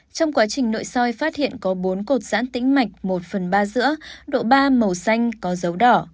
trong quá trình nội soi phát hiện có bốn cột giãn tính mạch một phần ba giữa độ ba màu xanh có dấu đỏ